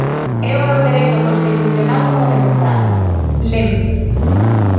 É o meu dereito constitucional como deputada, lémbrollo.